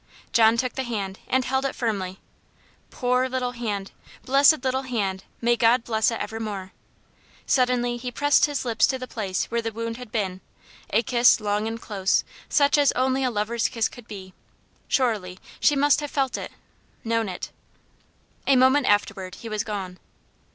John took the hand, and held it firmly. "Poor little hand blessed little hand! May God bless it evermore." Suddenly he pressed his lips to the place where the wound had been a kiss long and close, such as only a lover's kiss could be. Surely she must have felt it known it. A moment afterward, he was gone.